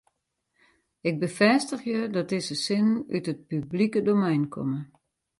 Ik befêstigje dat dizze sinnen út it publike domein komme.